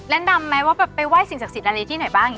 แรงดำไหมว่าไปไหว้สิ่งศักดิ์ศิลป์อะไรที่หน่อยบ้าง